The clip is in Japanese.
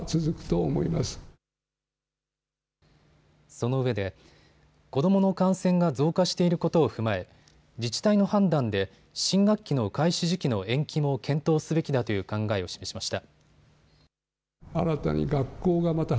そのうえで、子どもの感染が増加していることを踏まえ、自治体の判断で新学期の開始時期の延期も検討すべきだという考えを示しました。